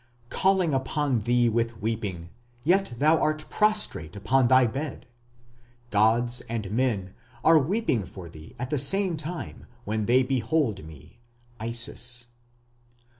Calling upon thee with weeping yet thou art prostrate upon thy bed! Gods and men ... are weeping for thee at the same time, when they behold me (Isis).